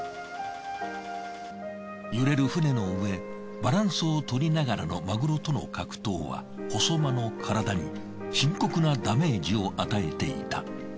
揺れる船の上バランスを取りながらのマグロとの格闘は細間の体に深刻なダメージを与えていた。